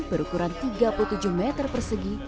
berukuran tiga puluh tujuh meter persegi